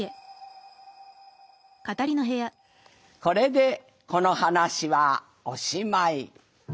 「これでこの話はおしまい。